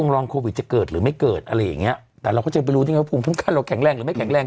ลองโควิดจะเกิดหรือไม่เกิดแต่เราจะไปรู้ที่ไหนว่าภูมิคุ้มกันเราแข็งแรงหรือไม่แข็งแรง